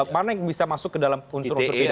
mana yang bisa masuk ke dalam unsur unsur pidana